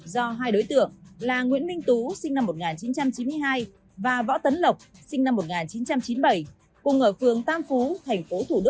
do hai đối tượng là nguyễn minh tú và võ tấn lộc cùng ở phường tam phú